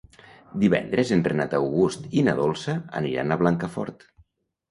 Divendres en Renat August i na Dolça aniran a Blancafort.